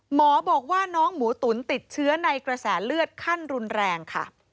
หมอบอกว่าน้องหมูตุ๋นติดเชื้อในกระแสเลือดขั้นรุนแรงค่ะ